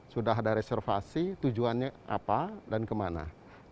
sudah ada reservasi tujuan dan kemudian